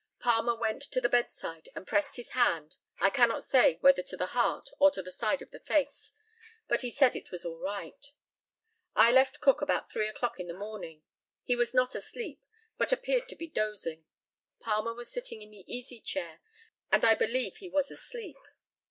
Palmer went to the bedside, and pressed his hand, I cannot say whether to the heart or to the side of the face, but he said it was all right. I left Cook about 3 o'clock in the morning. He was not asleep, but appeared to be dozing. Palmer was sitting in the easy chair, and I believe he was asleep.